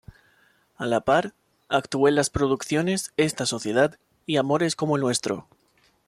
A la par, actuó en las producciones "Esta Sociedad" y "Amores como el nuestro".